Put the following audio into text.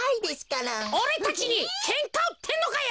おれたちにけんかうってんのかよ！